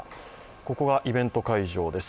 ここがイベント会場です。